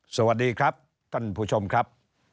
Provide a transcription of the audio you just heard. สวัสดีครับท่านผู้ชมครับ